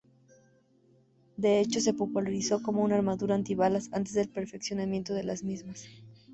De hecho, se popularizó como una armadura antibalas antes del perfeccionamiento de las mismas.